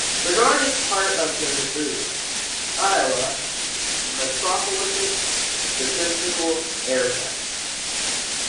Bernard is part of the Dubuque, Iowa Metropolitan Statistical Area.